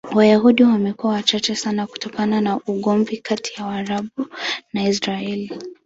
Wayahudi wamekuwa wachache sana kutokana na ugomvi kati ya Waarabu na Israel.